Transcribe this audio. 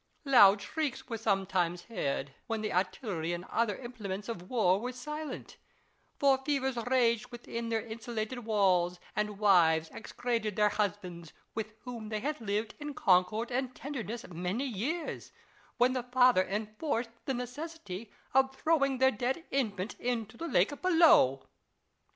Loud shrieks were sometimes heard, when the artillery and other implements of war were silent ; for fevers raged within their insulated walls, and wives execrated their husbands, with whom they had lived in concord and tenderness many years, when the father enforced the necessity of throwing their dead infant into the lake below.